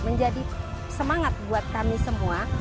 menjadi semangat buat kami semua